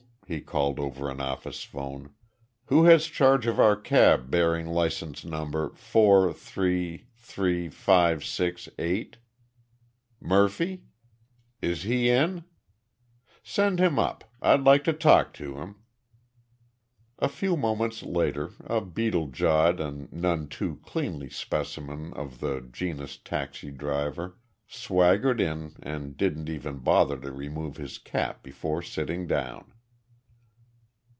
he called over an office phone. "Who has charge of our cab bearing license number four, three, three, five, six, eight?... Murphy? Is he in?... Send him up I'd like to talk to him." A few moments later a beetle jawed and none too cleanly specimen of the genus taxi driver swaggered in and didn't even bother to remove his cap before sitting down.